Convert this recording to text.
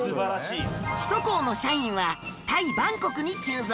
首都高の社員はタイバンコクに駐在